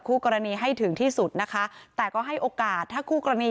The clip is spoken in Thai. คู่กรณีให้ถึงที่สุดนะคะแต่ก็ให้โอกาสถ้าคู่กรณี